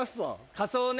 仮装ね。